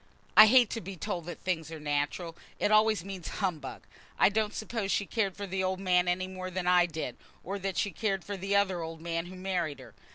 "I hate to be told that things are natural. It always means humbug. I don't suppose she cared for the old man any more than I did, or than she cared for the other old man who married her.